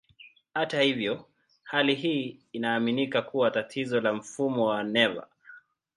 Hata hivyo, hali hii inaaminika kuwa tatizo la mfumo wa neva.